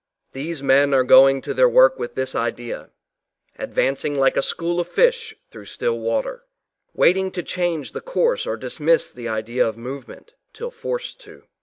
These men are going to their work with this idea, advancing like a school of fish through water waiting to change the course or dismiss the idea of movement, till forced to.